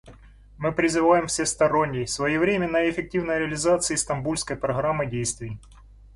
Мы призываем к всесторонней, своевременной и эффективной реализации Стамбульской программы действий.